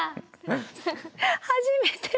初めて。